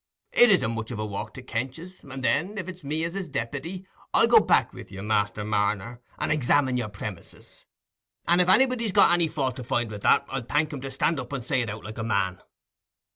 It isn't much of a walk to Kench's; and then, if it's me as is deppity, I'll go back with you, Master Marner, and examine your premises; and if anybody's got any fault to find with that, I'll thank him to stand up and say it out like a man."